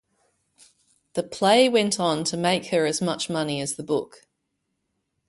The play went on to make her as much money as the book.